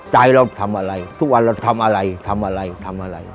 ใจเราทำอะไรทุกวันเราทำอะไรทำอะไรทำอะไร